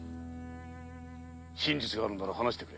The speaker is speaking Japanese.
真実があるんなら話してくれ。